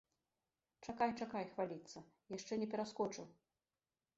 Чакай, чакай хваліцца, яшчэ не пераскочыў.